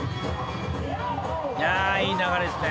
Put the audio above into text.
いやいい流れですね。